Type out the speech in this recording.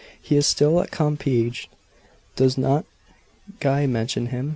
"He is still at Compiegne. Does not Guy mention him?